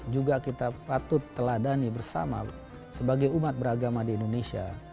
juga kita patut teladani bersama sebagai umat beragama di indonesia